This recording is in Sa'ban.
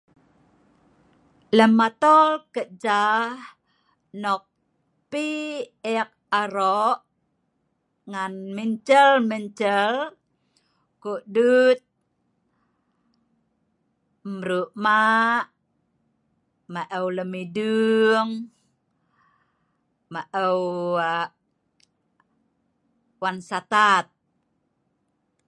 Lem atol keja nok pi ek aro' ngan mencel-mencel; ko' dut mru' mah', maeu' lem idung, maeu' aa wan satad.